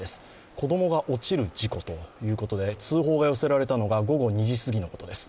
子供が落ちる事故ということで通報が寄せられたのが午後２時すぎのことです。